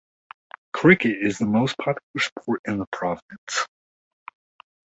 Cricket is the most popular sport in the province.